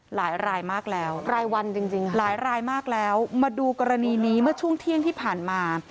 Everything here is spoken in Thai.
หลายรายมากแล้วรายวันจริงค่ะหลายรายมากแล้วมาดูกรณีนี้เมื่อช่วงเที่ยงที่ผ่านมา